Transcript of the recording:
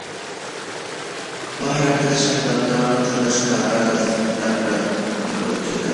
په حرم کې شهزادګانو ته د ښکار زده کړه ورکول کېده.